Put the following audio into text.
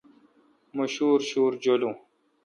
مہ شوُرشوُر جولون۔